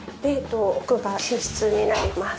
奧が寝室になります。